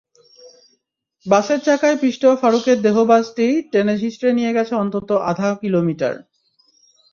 বাসের চাকায় পিষ্ট ফারুকের দেহ বাসটি টেনেহিঁচড়ে নিয়ে গেছে অন্তত আধা কিলোমিটার।